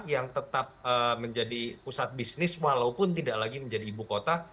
yang tetap menjadi pusat bisnis walaupun tidak lagi menjadi ibu kota